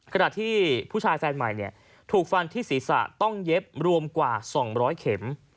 ขนาดที่ผู้ชายแฟนใหม่เนี้ยถูกฟันที่ศีรษะต้องเย็บรวมกว่าสองร้อยเข็ม